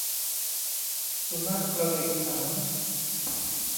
สุนัขกระดิกหาง